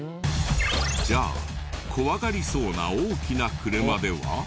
じゃあ怖がりそうな大きな車では？